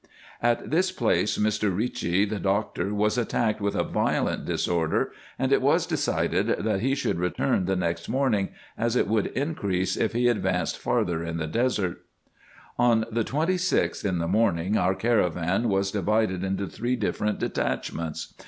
At this place Mr. Eicci, the doctor, was attacked with a violent disorder, and it was decided, that he should return the next morning, as it would increase if he advanced farther in the desert. On the 26th, in the morning, our caravan was divided into three different detachments.